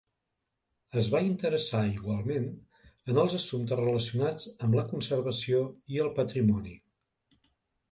Es va interessar igualment en els assumptes relacionats amb la conservació i el patrimoni.